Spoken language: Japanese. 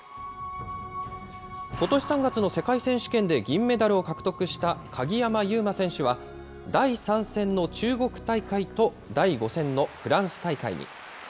ことし３月の世界選手権で銀メダルを獲得した鍵山優真選手は、第３戦の中国大会と第５戦のフランス大会に。